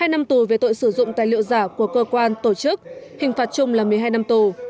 một mươi năm tù về tội sử dụng tài liệu giả của cơ quan tổ chức hình phạt chung là một mươi hai năm tù